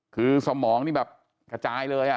คือสมองนี่แบบกระจายเลย